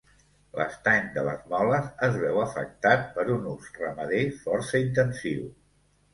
L'estany de les Moles es veu afectat per un ús ramader força intensiu.